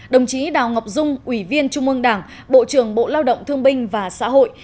đồng chí đào ngọc dung ủy viên trung ương đảng bộ trưởng bộ lao động thương binh và xã hội